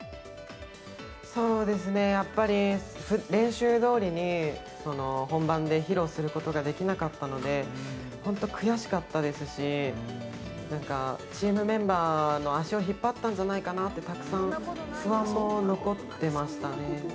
そうですねやっぱり練習どおりに本番で披露することができなかったのでホント悔しかったですしなんかチームメンバーの足を引っ張ったんじゃないかなってたくさん不安も残ってましたね